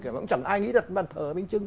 chẳng ai nghĩ đặt bàn thờ ở bên chân